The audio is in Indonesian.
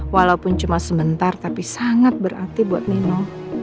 walaupun cuma sebentar tapi sangat berarti buat nino